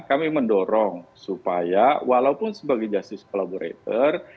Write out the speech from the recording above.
kami mendorong supaya walaupun sebagai justice collaborator